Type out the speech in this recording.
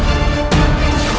ketika kanda menang kanda menang